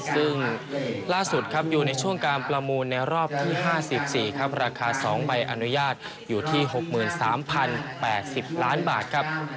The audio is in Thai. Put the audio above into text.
ซึ่งล่าสุดครับอยู่ในช่วงการประมูลในรอบที่๕๔ครับราคา๒ใบอนุญาตอยู่ที่๖๓๐๘๐ล้านบาทครับ